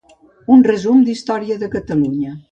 Un resum d'història de Catalunya.